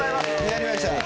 やりましたね。